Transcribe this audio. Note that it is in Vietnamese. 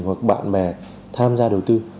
hoặc bạn bè tham gia đầu tư